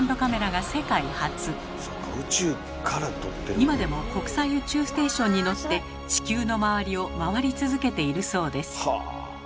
今でも国際宇宙ステーションにのって地球の周りを回り続けているそうです。